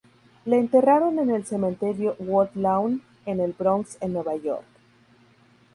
Le enterraron en el Cementerio Woodlawn, en el Bronx en Nueva York.